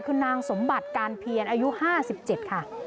คือนางสมบัติการเพียรอายุห้าสิบเจ็ดค่ะ